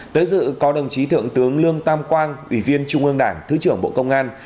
tới dự có đồng chí thượng tướng lương tam quang ủy viên trung ương đảng thứ trưởng bộ công an